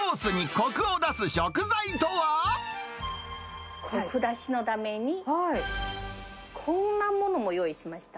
こく出しのために、こんなものも用意しました。